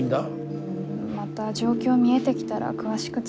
うんまた状況見えてきたら詳しく伝えるね。